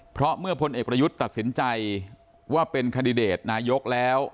เพราะเมื่อพลเอกประยุทธ์ตัดสินใจว่าเป็นคันดิเดตนายกแล้ว